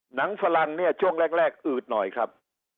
ฝรั่งเนี่ยช่วงแรกอืดหน่อยครับ